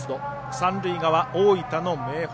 三塁側、大分の明豊。